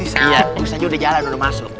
iya ustadznya udah jalan udah masuk